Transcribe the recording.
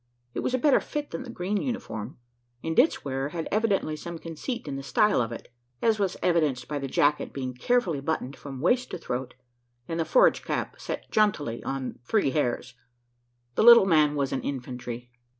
It was a better fit than the green uniform; and its wearer had evidently some conceit in the style of it as was evidenced by the jacket being carefully buttoned from waist to throat, and the forage cap set jauntily on "three hairs." The little man was an "infantry."